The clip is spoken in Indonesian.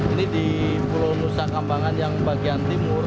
ini di pulau nusa kambangan yang bagian timur